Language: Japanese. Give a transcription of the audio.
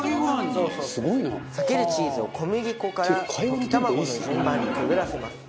さけるチーズを小麦粉から溶き卵の順番にくぐらせます。